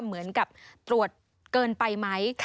เหมือนกับตรวจเกินไปไหม